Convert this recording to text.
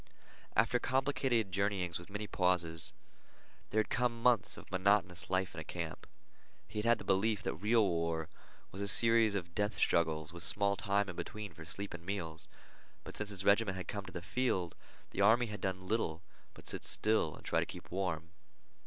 After complicated journeyings with many pauses, there had come months of monotonous life in a camp. He had had the belief that real war was a series of death struggles with small time in between for sleep and meals; but since his regiment had come to the field the army had done little but sit still and try to keep warm.